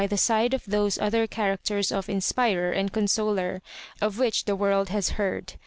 the side of those other characters of Inspirer and Consoler, of which the world has heard.